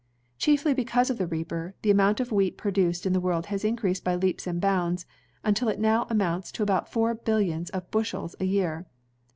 Chiefly because of the reaper, the amount of wheat produced in the world has increased by leaps and boimds, imtil it now amounts to about four billions of bushels a year.